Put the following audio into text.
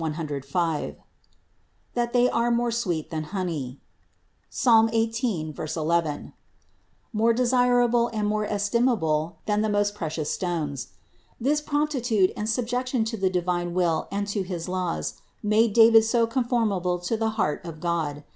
118, 105), that they are more sweet than honey (Ps. 18, 11), more de sirable and more estimable than the most precious stones. This promptitude and subjection to the divine will and to his laws made David so conformable to the heart of God.